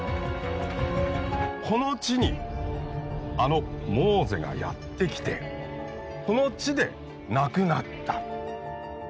この地にあのモーゼがやって来てこの地で亡くなった。